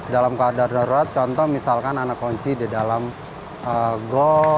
dalam keadaan darurat contoh misalkan anak kunci di dalam gol